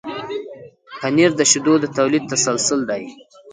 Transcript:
پنېر د شیدو د تولید تسلسل دی.